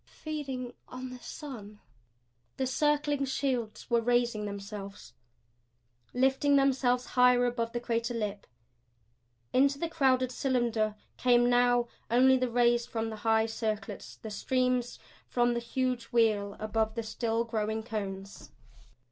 "Feeding on the sun!" The circling shields were raising themselves, lifting themselves higher above the crater lip. Into the crowded cylinder came now only the rays from the high circlets, the streams from the huge wheel above the still growing cones.